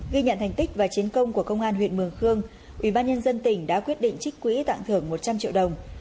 ghi nhận thành tích và chiến công của công an huyện mường khương ubnd tỉnh đã quyết định trích quỹ tặng thưởng một trăm linh triệu đồng